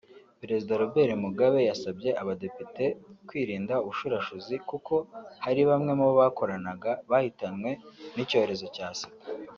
Perezida Robert Mugabe yasabye Abadepite kwirinda ubushurashuzi kuko hari bamwe mubo bakoranaga bahitanwe n’icyorezo cya Sida